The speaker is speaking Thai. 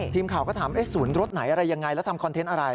ทีมข่าวก็ถามศูนย์รถไหนอะไรยังไงแล้วทำคอนเทนต์อะไร